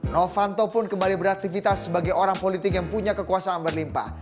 novanto pun kembali beraktivitas sebagai orang politik yang punya kekuasaan berlimpah